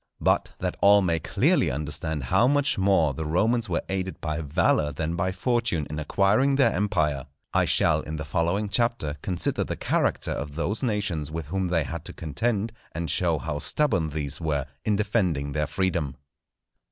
But that all may clearly understand how much more the Romans were aided by valour than by Fortune in acquiring their empire, I shall in the following Chapter consider the character of those nations with whom they had to contend, and show how stubborn these were in defending their freedom.